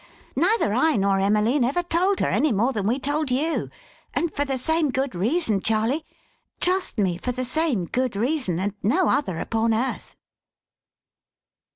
Neither I nor Emmeline ever told her, any more than we told you. And for the same good reason, Charley; trust me, for the same good reason, and no other upon earth!"